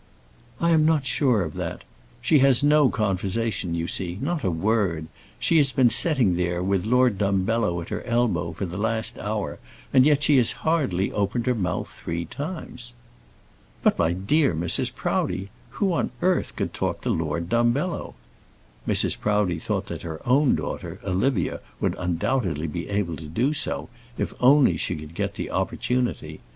"I am not sure of that. She has no conversation, you see; not a word. She has been sitting there with Lord Dumbello at her elbow for the last hour, and yet she has hardly opened her mouth three times." "But, my dear Mrs. Proudie, who on earth could talk to Lord Dumbello?" Mrs. Proudie thought that her own daughter Olivia would undoubtedly be able to do so, if only she could get the opportunity.